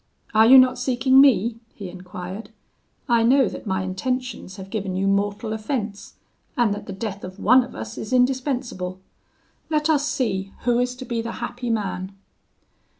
"'Are you not seeking me?' he enquired. 'I know that my intentions have given you mortal offence, and that the death of one of us is indispensable: let us see who is to be the happy man.'